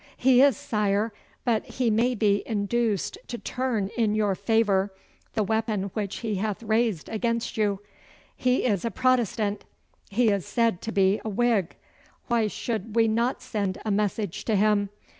'He is, sire, but he may be induced to turn in your favour the weapon which he hath raised against you. He is a Protestant. He is said to be a Whig. Why should we not send a message to him?